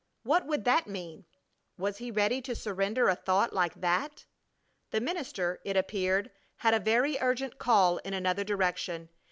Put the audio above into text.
What would that mean? Was he ready to surrender a thought like that? The minister, it appeared, had a very urgent call in another direction.